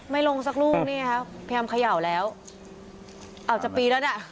ลงสักลูกนี่ครับพยายามเขย่าแล้วอาจจะปีนแล้วน่ะ